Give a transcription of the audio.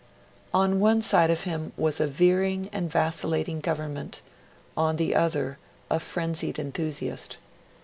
On one side of him was a veering and vacillating Government; on the other, a frenzied enthusiast.